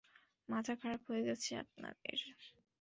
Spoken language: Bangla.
মাথা খারাপ হয়ে গেছে আপনাদের?